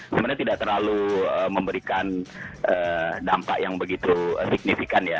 sebenarnya tidak terlalu memberikan dampak yang begitu signifikan ya